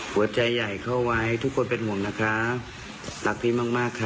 หัวใจใหญ่เข้าไว้ทุกคนเป็นห่วงนะคะรักพี่มากมากค่ะ